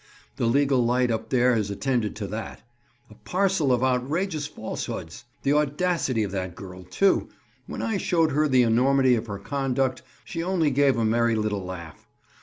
The legal light up there has attended to that. A parcel of outrageous falsehoods! The audacity of that girl, too! When I showed her the enormity of her conduct, she only gave a merry little laugh.